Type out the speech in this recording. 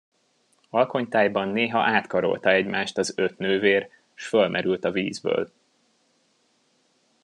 Alkonytájban néha átkarolta egymást az öt nővér, s fölmerült a vízből.